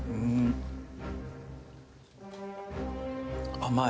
甘い。